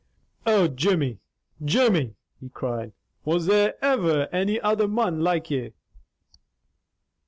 "Oh, Jimmy! Jimmy!" he cried. "Was there ever any other mon like ye?"